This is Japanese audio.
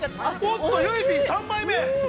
◆おっと、ゆいＰ、３杯目。